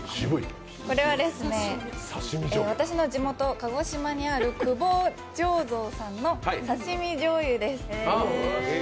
これは私の地元、鹿児島にある久保醸造さんのさしみ醤油です。